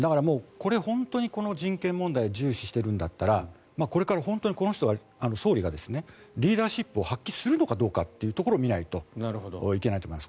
これ、本当に人権問題を重視してるんだったらこれから本当に総理がリーダーシップを発揮するのかどうかというところを見ないといけないと思います。